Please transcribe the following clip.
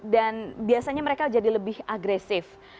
dan biasanya mereka jadi lebih agresif